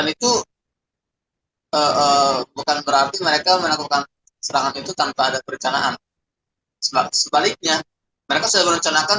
itu bukan berarti mereka melakukan serangan itu tanpa ada perencanaan